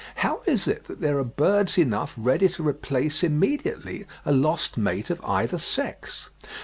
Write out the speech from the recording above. How is it that there are birds enough ready to replace immediately a lost mate of either sex?